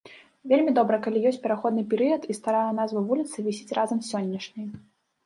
Вельмі добра, калі ёсць пераходны перыяд і старая назва вуліцы вісіць разам з сённяшняй.